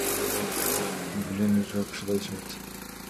Гүлен өзү АКШда жашайт.